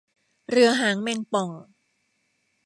เรือหางแมงป่อง